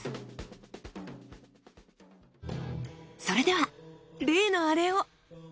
それでは例のアレを。